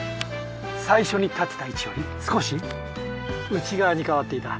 最初に立てた位置より少し内側に変わっていた。